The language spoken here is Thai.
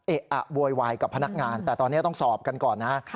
อะโวยวายกับพนักงานแต่ตอนนี้ต้องสอบกันก่อนนะ